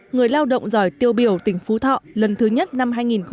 người lao động giỏi tiêu biểu tỉnh phú thọ lần thứ nhất năm hai nghìn một mươi chín